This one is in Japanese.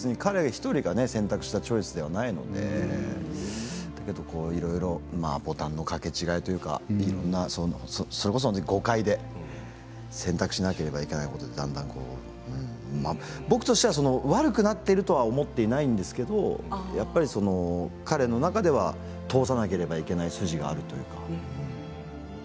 彼１人が選択したチョイスではないのでボタンの掛け違いというかそれこそ誤解で選択しなければいけないことがだんだん僕としては悪くなっているとは思っていないんですけど彼の中では通さなければいけない筋があるというか。